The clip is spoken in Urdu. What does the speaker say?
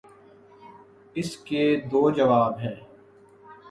اس کے دو جواب ہیں۔